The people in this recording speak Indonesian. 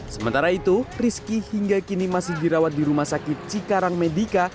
sementara itu rizky hingga kini masih dirawat di rumah sakit cikarang medica